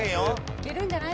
いけるんじゃない？